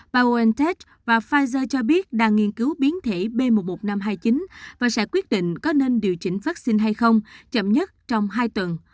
paweltate và pfizer cho biết đang nghiên cứu biến thể b một mươi một nghìn năm trăm hai mươi chín và sẽ quyết định có nên điều chỉnh vaccine hay không chậm nhất trong hai tuần